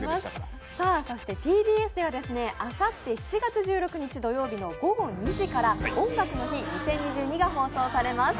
ＴＢＳではあさって７月１６日土曜日の２時から「音楽の日２０２２」が放送されます。